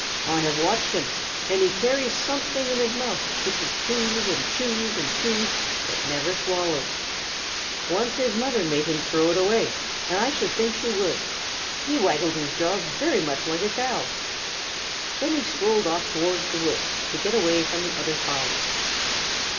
I have watched him, and he carries something in his mouth which he chews and chews and chews, but never swallows. Once his mother made him throw it away, and I should think she would. He waggled his jaws very much like a Cow." Then he strolled off toward the woods to get away from the other fowls.